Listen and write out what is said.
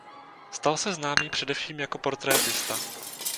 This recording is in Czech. Stal se známý především jako portrétista.